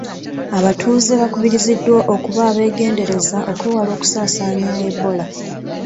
Abtuuze bakubirizibwa akuba abeegerndereza okwewala okusaasaanya Ebola.